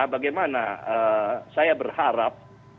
bagaimana saya berharap